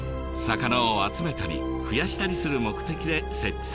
魚を集めたり増やしたりする目的で設置されました。